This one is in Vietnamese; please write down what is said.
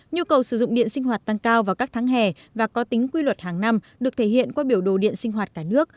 nhu cầu sử dụng điện sinh hoạt tăng cao vào các tháng hè và có tính quy luật hàng năm được thể hiện qua biểu đồ điện sinh hoạt cả nước